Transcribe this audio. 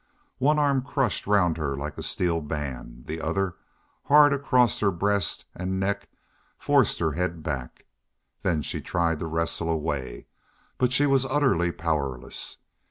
One arm crushed round her like a steel band; the other, hard across her breast and neck, forced her head back. Then she tried to wrestle away. But she was utterly powerless.